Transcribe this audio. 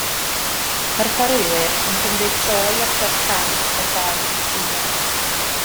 Mae'r chwaraewyr yn cymryd tro i agor can o dan eu trwynau.